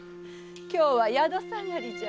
今日は宿下がりじゃ。